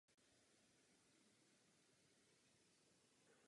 Část současné populace tvoří imigranti ze zemí bývalého Sovětského svazu.